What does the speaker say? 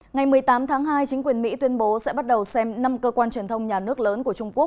ngày một mươi tám tháng hai chính quyền mỹ tuyên bố sẽ bắt đầu xem năm cơ quan truyền thông nhà nước lớn của trung quốc